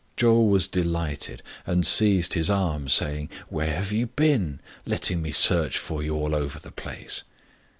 Chou was delighted, and seized his arm, saying, " Where have you 58 STRANGE STORIES been? letting me search for you all over the place."